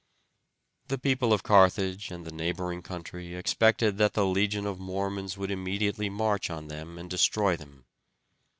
The people of Carthage and the neighboring country expected that the Legion of the Mormons would immediately march on them and destroy them.